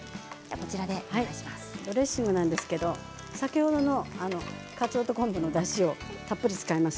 ドレッシングなんですけど先ほどのかつおと昆布のだしをたっぷり使います。